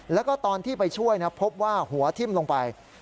แล้วก็ตอนที่ไปช่วยพบว่าหัวทิ้มลงไป